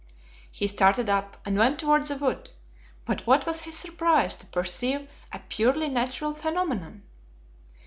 He started up, and went toward the wood; but what was his surprise to perceive a purely natural phenomenon!